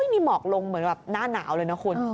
นี่หมอกลงเหมือนแบบหน้าหนาวเลยนะคุณ